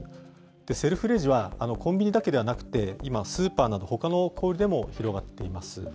セルフレジは、コンビニだけではなくて、今、スーパーなどほかの小売りでも広がっています。